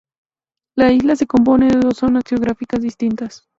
La isla se compone de dos zonas geográficas distintas.